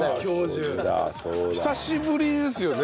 久しぶりですよね。